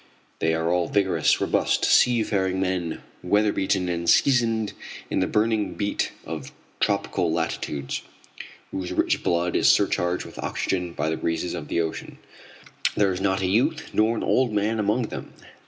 They are all vigorous, robust seafaring men, weatherbeaten and seasoned in the burning beat of tropical latitudes, whose rich blood is surcharged with oxygen by the breezes of the ocean. There is not a youth nor an old man among them.